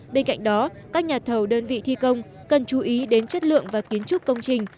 bên cạnh đó các nhà thầu đơn vị thi công cần chú ý đến chất lượng và kiến trúc công trình